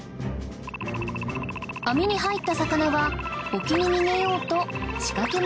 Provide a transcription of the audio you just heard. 網に入った魚は沖に逃げようと仕掛けの奥へ